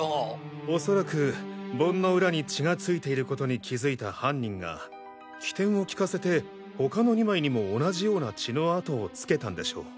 おそらく盆のウラに血が付いてることに気づいた犯人が機転をきかせて他の２枚にも同じような血の跡を付けたんでしょう。